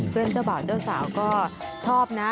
เพื่อนเจ้าบ่าวเจ้าสาวก็ชอบนะ